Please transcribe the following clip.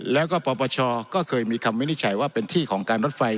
แล้วก็ปปชก็เคยมีคำวินิจฉัยว่าเป็นที่ของการรถไฟ